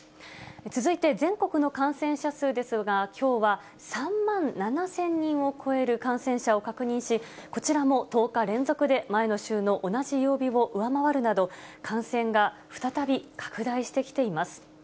続いて全国の感染者数ですが、きょうは３万７０００人を超える感染者を確認し、こちらも１０日連続で前の週の同じ曜日を上回るなど、感染が再び拡大してきています。